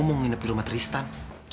kamu mau nginep di rumah tristan